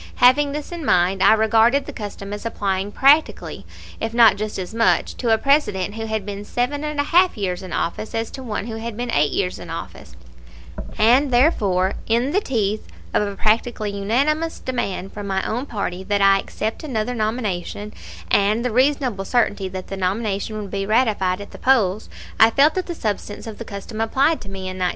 Having this in mind, I regarded the custom as applying practically, if not just as much, to a President who had been seven and a half years in office as to one who had been eight years in office, and therefore, in the teeth of a practically unanimous demand from my own party that I accept another nomination, and the reasonable certainty that the nomination would be ratified at the polls, I felt that the substance of the custom applied to me in 1908.